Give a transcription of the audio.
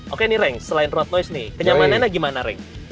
oke nih reng selain road noise kenyamanannya gimana reng